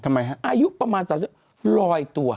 ทำไมครับอายุประมาณต่างรอยตัว